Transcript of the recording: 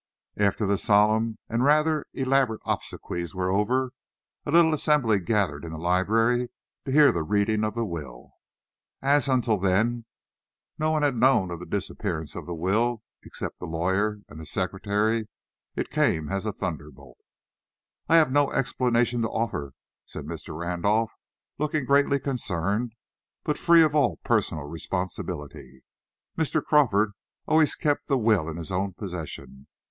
After the solemn and rather elaborate obsequies were over, a little assembly gathered in the library to hear the reading of the will. As, until then, no one had known of the disappearance of the will, except the lawyer and the secretary, it came as a thunderbolt. "I have no explanation to offer," said Mr. Randolph, looking greatly concerned, but free of all personal responsibility. "Mr. Crawford always kept the will in his own possession.